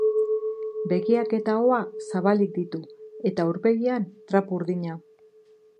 Begiak eta ahoa zabalik ditu, eta aurpegian trapu urdina.